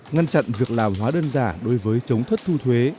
ngăn chặn việc làm hóa đơn giả đối với chống thất thu thuế